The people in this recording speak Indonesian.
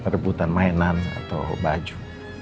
rebutan mainan atau baju